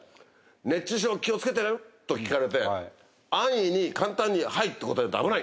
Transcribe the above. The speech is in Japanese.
「熱中症気をつけてる？」と聞かれて安易に簡単に「ハイッ」と答えるとあぶない。